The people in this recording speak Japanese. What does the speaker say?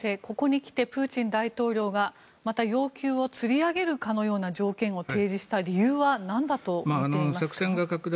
ここにきてプーチン大統領がまた要求をつり上げるかのような条件を提示した理由は何だと思っていますか？